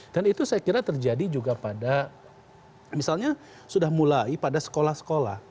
itu saya kira terjadi juga pada misalnya sudah mulai pada sekolah sekolah